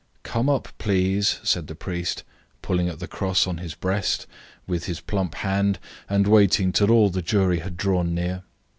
"Come up, please," said the priest, pulling at the cross on his breast with his plump hand, and waiting till all the jury had drawn near.